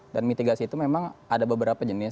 dan mitigasi itu memang ada beberapa jenis